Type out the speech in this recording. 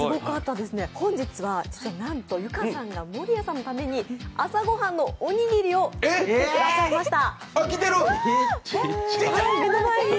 本日は、なんとＹｕｋａさんが守屋さんのために朝ごはんのおにぎりを作ってくださいました。